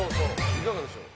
いかがでしょう？